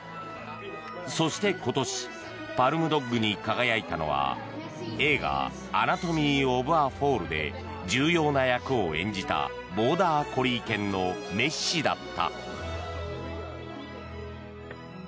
そして、今年パルム・ドッグに輝いたのは映画「アナトミー・オブ・ア・フォール」で重要な役を演じたボーダーコリー犬のメッシだった。